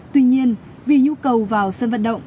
tuy nhiên vì nhu cầu vào sân vận động